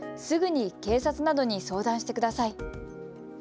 すぐに警察などに相談してください。